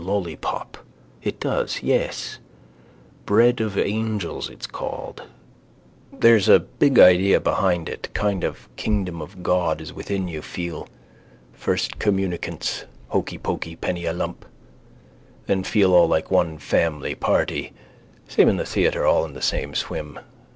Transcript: Lollipop. It does. Yes, bread of angels it's called. There's a big idea behind it, kind of kingdom of God is within you feel. First communicants. Hokypoky penny a lump. Then feel all like one family party, same in the theatre, all in the same swim.